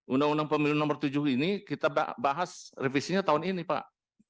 undang undang pemilu nomor tujuh ini kita bahas revisinya tahun ini pak